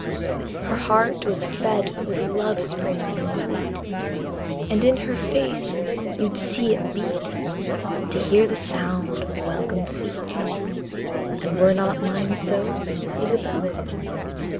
Her heart was fed with love springs sweet, And in her face you'd see it beat To hear the sound of welcome feet And were not mine so, Isabel?